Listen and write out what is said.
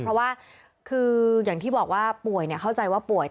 เพราะว่าคืออย่างที่บอกว่าป่วยเข้าใจว่าป่วย